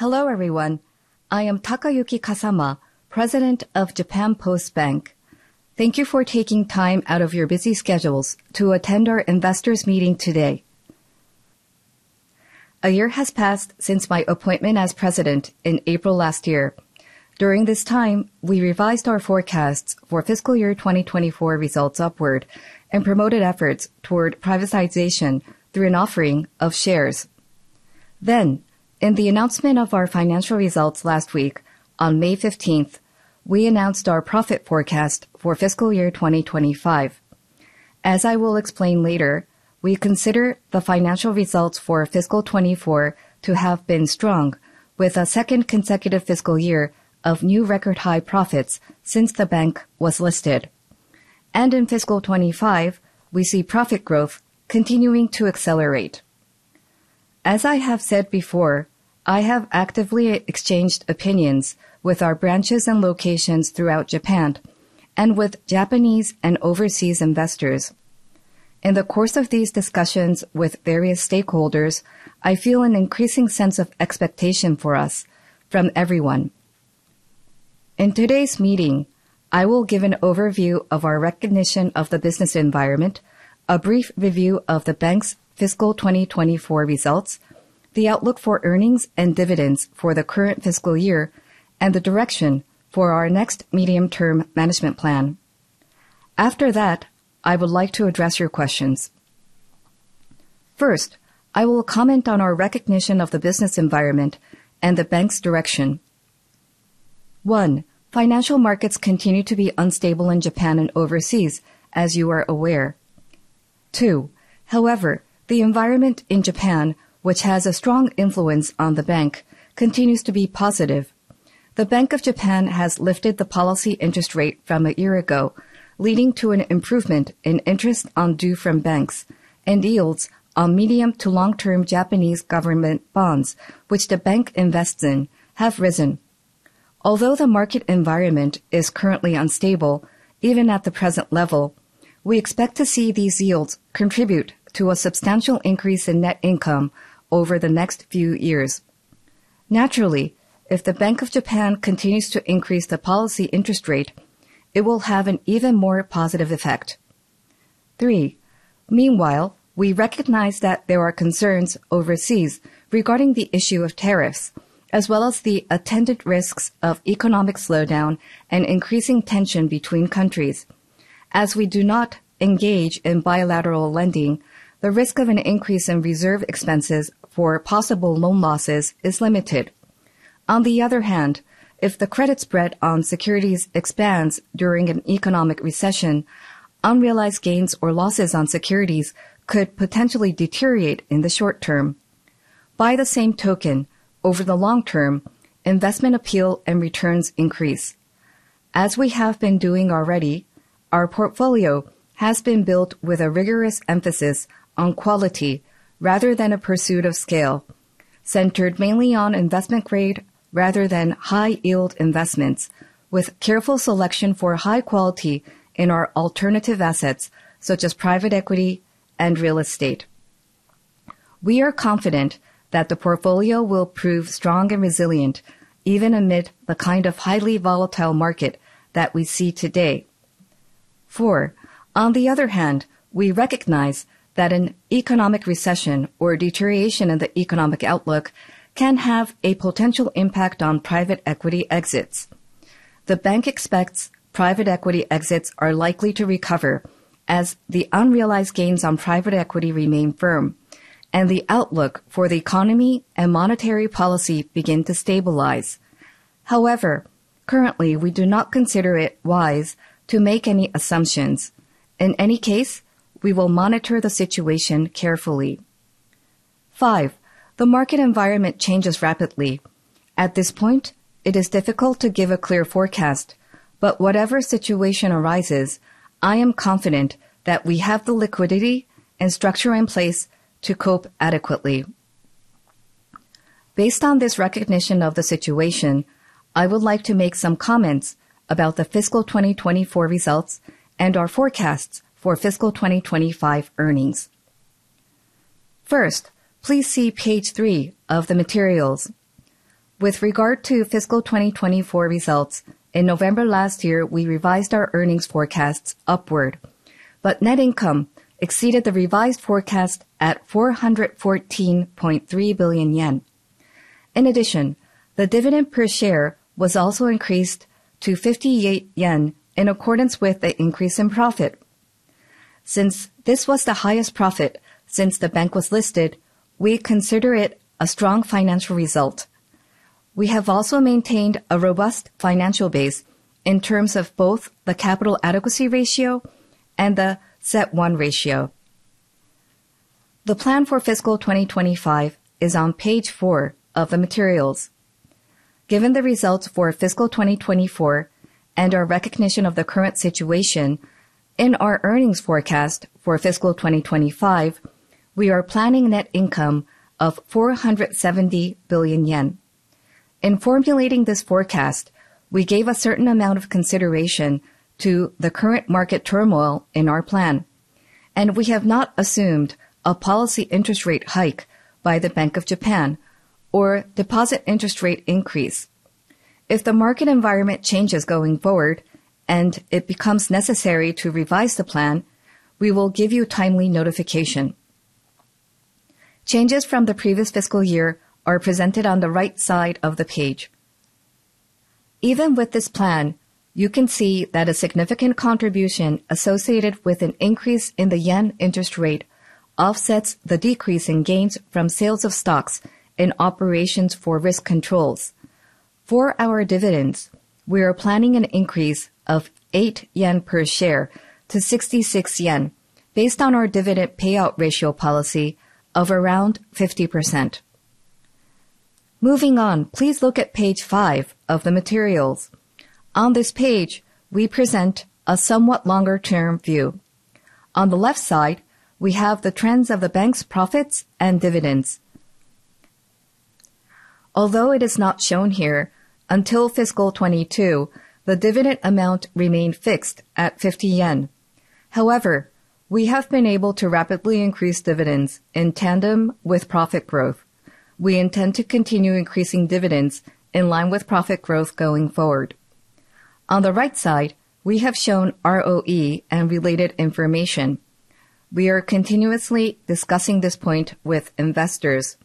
Hello, everyone. I am Takayuki Kasama, President of Japan Post Bank. Thank you for taking time out of your busy schedules to attend our investors meeting today. A year has passed since my appointment as president in April last year. During this time, we revised our forecasts for fiscal year 2024 results upward and promoted efforts toward privatization through an offering of shares. In the announcement of our financial results last week on May 15, we announced our profit forecast for fiscal year 2025. As I will explain later, we consider the financial results for fiscal 2024 to have been strong, with a second consecutive fiscal year of new record-high profits since the bank was listed. In fiscal 2025, we see profit growth continuing to accelerate. As I have said before, I have actively exchanged opinions with our branches and locations throughout Japan and with Japanese and overseas investors. In the course of these discussions with various stakeholders, I feel an increasing sense of expectation for us from everyone. In today's meeting, I will give an overview of our recognition of the business environment, a brief review of the bank's fiscal 2024 results, the outlook for earnings and dividends for the current fiscal year, and the direction for our next medium-term management plan. After that, I would like to address your questions. First, I will comment on our recognition of the business environment and the bank's direction. One, financial markets continue to be unstable in Japan and overseas, as you are aware. Two, however, the environment in Japan, which has a strong influence on the bank, continues to be positive. The Bank of Japan has lifted the policy interest rate from a year ago, leading to an improvement in interest on due from banks and yields on medium- to long-term Japanese government bonds, which the bank invests in, have risen. Although the market environment is currently unstable, even at the present level, we expect to see these yields contribute to a substantial increase in net income over the next few years. Naturally, if the Bank of Japan continues to increase the policy interest rate, it will have an even more positive effect. Three, meanwhile, we recognize that there are concerns overseas regarding the issue of tariffs, as well as the attendant risks of economic slowdown and increasing tension between countries. As we do not engage in bilateral lending, the risk of an increase in reserve expenses for possible loan losses is limited. On the other hand, if the credit spread on securities expands during an economic recession, unrealized gains or losses on securities could potentially deteriorate in the short term. By the same token, over the long term, investment appeal and returns increase. As we have been doing already, our portfolio has been built with a rigorous emphasis on quality rather than a pursuit of scale, centered mainly on investment grade rather than high-yield investments, with careful selection for high quality in our alternative assets, such as private equity and real estate. We are confident that the portfolio will prove strong and resilient, even amid the kind of highly volatile market that we see today. Four, on the other hand, we recognize that an economic recession or deterioration in the economic outlook can have a potential impact on private equity exits. The bank expects private equity exits are likely to recover as the unrealized gains on private equity remain firm and the outlook for the economy and monetary policy begin to stabilize. However, currently we do not consider it wise to make any assumptions. In any case, we will monitor the situation carefully. Five, the market environment changes rapidly. At this point, it is difficult to give a clear forecast, but whatever situation arises, I am confident that we have the liquidity and structure in place to cope adequately. Based on this recognition of the situation, I would like to make some comments about the fiscal 2024 results and our forecasts for fiscal 2025 earnings. First, please see page 3 of the materials. With regard to fiscal 2024 results, in November last year, we revised our earnings forecasts upward, but net income exceeded the revised forecast at 414.3 billion yen. In addition, the dividend per share was also increased to 58 yen in accordance with the increase in profit. Since this was the highest profit since the bank was listed, we consider it a strong financial result. We have also maintained a robust financial base in terms of both the capital adequacy ratio and the CET1 ratio. The plan for fiscal 2025 is on page 4 of the materials. Given the results for fiscal 2024 and our recognition of the current situation in our earnings forecast for fiscal 2025, we are planning net income of 470 billion yen. In formulating this forecast, we gave a certain amount of consideration to the current market turmoil in our plan. We have not assumed a policy interest rate hike by the Bank of Japan or deposit interest rate increase. If the market environment changes going forward and it becomes necessary to revise the plan, we will give you timely notification. Changes from the previous fiscal year are presented on the right side of the page. Even with this plan, you can see that a significant contribution associated with an increase in the yen interest rate offsets the decrease in gains from sales of stocks in operations for risk controls. For our dividends, we are planning an increase of 8 yen per share to 66 yen based on our dividend payout ratio policy of around 50%. Moving on, please look at page 5 of the materials. On this page, we present a somewhat longer term view. On the left side, we have the trends of the bank's profits and dividends. Although it is not shown here, until fiscal 2022, the dividend amount remained fixed at 50 yen. However, we have been able to rapidly increase dividends in Tandem with profit growth. We intend to continue increasing dividends in line with profit growth going forward. On the right side, we have shown ROE and related information. We are continuously discussing this point with investors.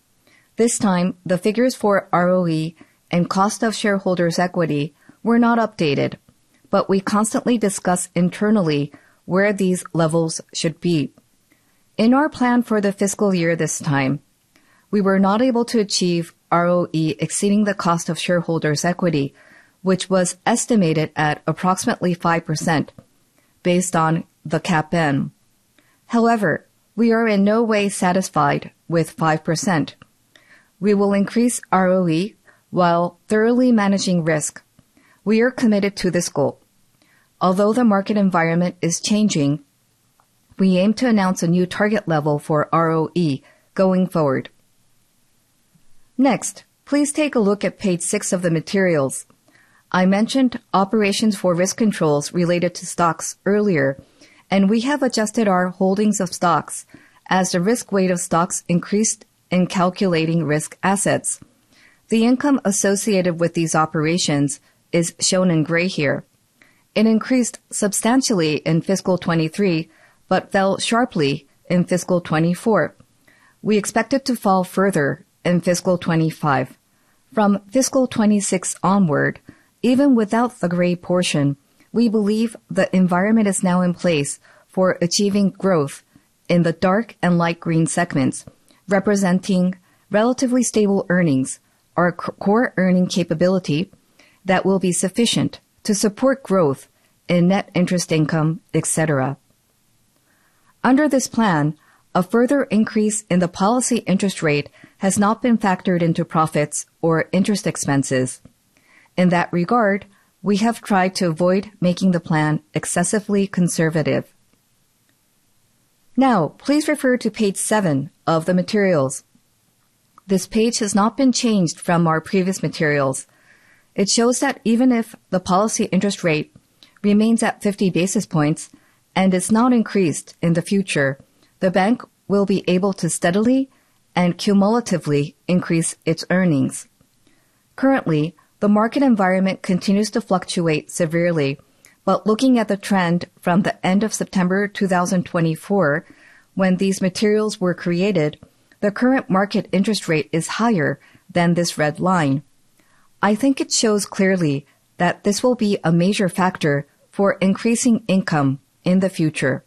This time, the figures for ROE and cost of shareholders' equity were not updated, but we constantly discuss internally where these levels should be. In our plan for the fiscal year this time, we were not able to achieve ROE exceeding the cost of shareholders' equity, which was estimated at approximately 5% based on the CAPM. However, we are in no way satisfied with 5%. We will increase ROE while thoroughly managing risk. We are committed to this goal. Although the market environment is changing, we aim to announce a new target level for ROE going forward. Next, please take a look at page 6 of the materials. I mentioned operations for risk controls related to stocks earlier, and we have adjusted our holdings of stocks as the risk weight of stocks increased in calculating risk assets. The income associated with these operations is shown in gray here. It increased substantially in fiscal 2023, but fell sharply in fiscal 2024. We expect it to fall further in fiscal 2025. From fiscal 2026 onward, even without the gray portion, we believe the environment is now in place for achieving growth in the dark and light green segments, representing relatively stable earnings. Our core earning capability that will be sufficient to support growth in net interest income, et cetera. Under this plan, a further increase in the policy interest rate has not been factored into profits or interest expenses. In that regard, we have tried to avoid making the plan excessively conservative. Now please refer to page seven of the materials. This page has not been changed from our previous materials. It shows that even if the policy interest rate remains at 50 basis points and is not increased in the future, the bank will be able to steadily and cumulatively increase its earnings. Currently, the market environment continues to fluctuate severely. Looking at the trend from the end of September 2024 when these materials were created, the current market interest rate is higher than this red line. I think it shows clearly that this will be a major factor for increasing income in the future.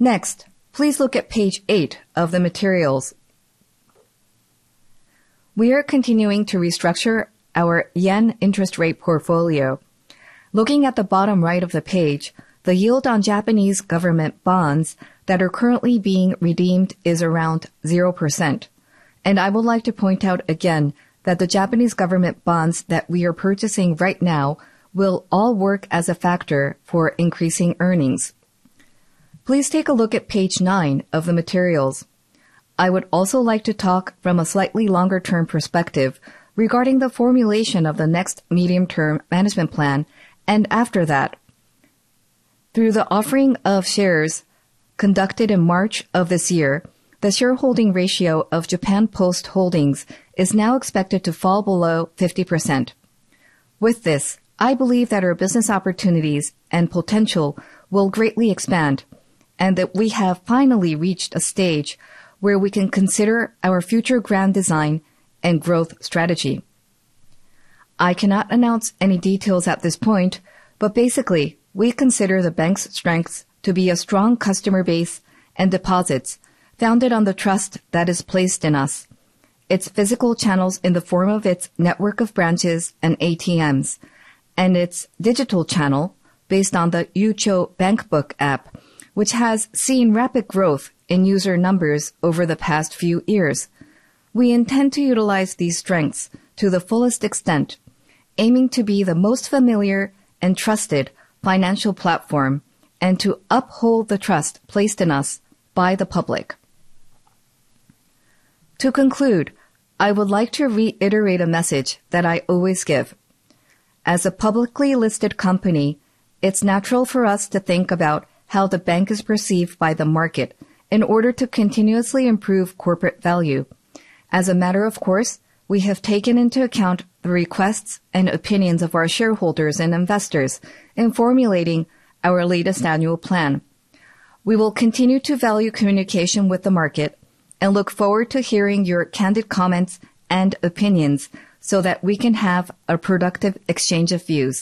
Next, please look at page 8 of the materials. We are continuing to restructure our yen interest rate portfolio. Looking at the bottom right of the page, the yield on Japanese government bonds that are currently being redeemed is around 0%. I would like to point out again that the Japanese government bonds that we are purchasing right now will all work as a factor for increasing earnings. Please take a look at page 9 of the materials. I would also like to talk from a slightly longer-term perspective regarding the formulation of the next medium-term management plan and after that. Through the offering of shares conducted in March of this year, the shareholding ratio of Japan Post Holdings is now expected to fall below 50%. With this, I believe that our business opportunities and potential will greatly expand, and that we have finally reached a stage where we can consider our future grand design and growth strategy. I cannot announce any details at this point, but basically, we consider the bank's strengths to be a strong customer base and deposits founded on the trust that is placed in us. Its physical channels in the form of its network of branches and ATMs, and its digital channel based on the Yucho Bankbook App, which has seen rapid growth in user numbers over the past few years. We intend to utilize these strengths to the fullest extent, aiming to be the most familiar and trusted financial platform and to uphold the trust placed in us by the public. To conclude, I would like to reiterate a message that I always give. As a publicly listed company, it's natural for us to think about how the bank is perceived by the market in order to continuously improve corporate value. As a matter of course, we have taken into account the requests and opinions of our shareholders and investors in formulating our latest annual plan. We will continue to value communication with the market and look forward to hearing your candid comments and opinions so that we can have a productive exchange of views.